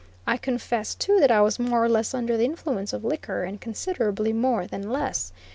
I confess, too, that I was more or less under the influence of liquor, and considerably more than less.